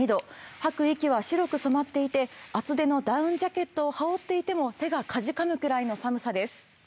吐く息は白く厚手のダウンジャケットを羽織っていても手がかじかむくらいの寒さです。